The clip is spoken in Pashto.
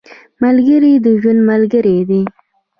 ملګری د ژوند ملګری دی